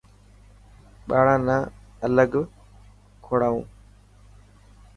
ٻاڙان نا الگ ڪوڙائو.